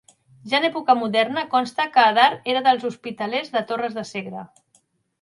Ja en època moderna consta que Adar era dels hospitalers de Torres de Segre.